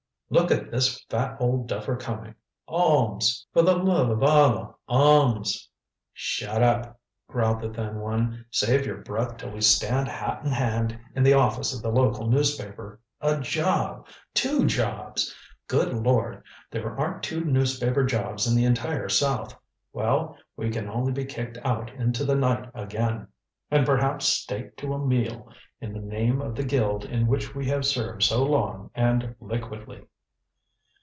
Look at this fat old duffer coming! Alms! For the love of Allah, alms!" "Shut up," growled the thin one. "Save your breath till we stand hat in hand in the office of the local newspaper. A job! Two jobs! Good lord, there aren't two newspaper jobs in the entire South. Well we can only be kicked out into the night again. And perhaps staked to a meal, in the name of the guild in which we have served so long and liquidly."